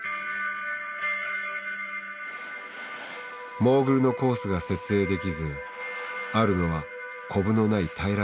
モーグルのコースが設営できずあるのはコブのない平らなコースだけ。